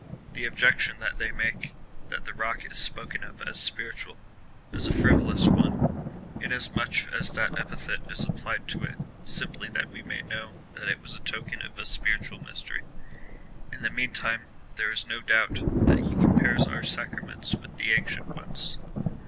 The objection that they make — that the rock is spoken of as spiritual, is a frivolous one, inasmuch as that epithet is applied to it simply that we may know that it was a token of a spiritual mystery. In the mean time, there is no doubt, that he compares our sacraments with the ancient ones.